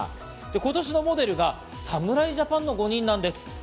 今年のモデルが侍ジャパンの５人なんです。